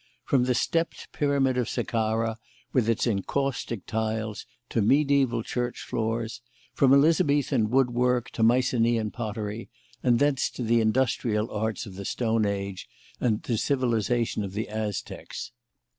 From the stepped pyramid of Sakkara with its encaustic tiles to mediaeval church floors; from Elizabethan woodwork to Mycaenaean pottery, and thence to the industrial arts of the Stone Age and the civilisation of the Aztecs.